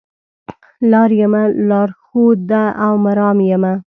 لار یمه لار ښوده او مرام یمه